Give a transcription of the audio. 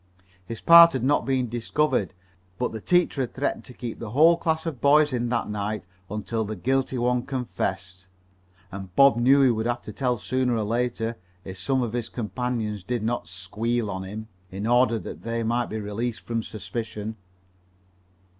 His part had not been discovered, but the teacher had threatened to keep the whole class of boys in that night until the guilty one confessed, and Bob knew he would have to tell sooner or later, if some of his companions did not "squeal" on him, in order that they might be released from suspicion.